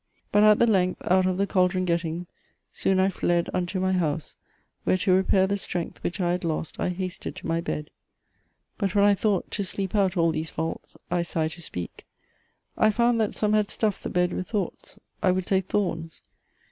But at the length Out of the caldron getting, soon I fled Unto my house, where to repair the strength Which I had lost, I hasted to my bed: But when I thought to sleep out all these faults, (I sigh to speak) I found that some had stuff'd the bed with thoughts, I would say thorns.